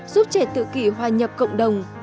giúp trẻ tự kỷ hòa nhập cộng đồng